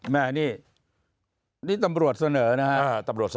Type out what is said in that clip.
แม่นี่นี่ตำรวจเสนอนะครับ